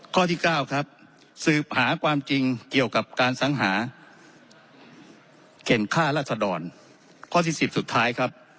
ข้อที่๙ครับสืบหาความจริงเกี่ยวกับการสังหาเข็นค่ารัศดรข้อที่๑๐สุดท้ายครับ